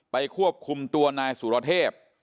ควบคุมตัวนายสุรเทพ